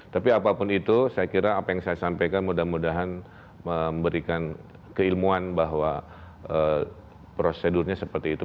tapi apapun itu saya kira apa yang saya sampaikan mudah mudahan memberikan keilmuan bahwa prosedurnya seperti itu